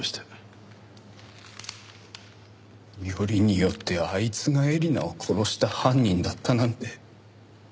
よりによってあいつが絵里奈を殺した犯人だったなんて。